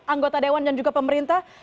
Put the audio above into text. anggota dewan dan juga pemerintah